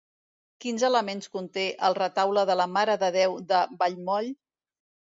Quins elements conté el retaule de la Mare de Déu de Vallmoll?